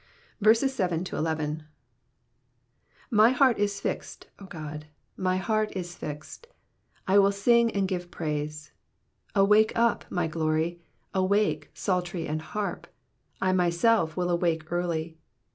7 My heart is fixed, O God, my heart is fixed : I will sing and give praise. 8 Awake up, my glory ; awake, psaltery and harp : I myself will awake early.